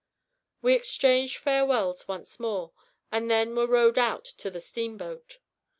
We exchanged farewells once more, and then were rowed out to the steamboat.